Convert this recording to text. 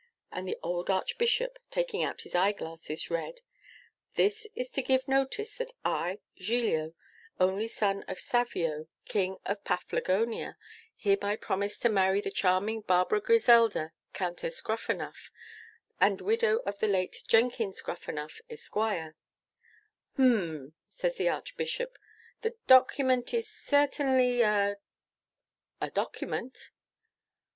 And the old Archbishop, taking out his eyeglasses, read "'This is to give notice, that I, Giglio, only son of Savio, King of Paflagonia, hereby promise to marry the charming Barbara Griselda, Countess Gruffanuff, and widow of the late Jenkins Gruffanuff, Esq." 'H'm,' says the Archbishop, 'the document is certainly a a document.